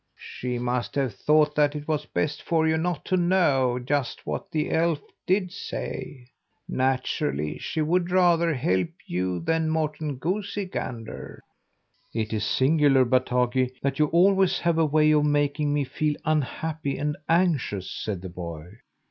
"She must have thought that it was best for you not to know just what the elf did say. Naturally she would rather help you than Morten Goosey Gander." "It is singular, Bataki, that you always have a way of making me feel unhappy and anxious," said the boy.